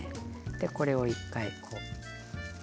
これを１回こう。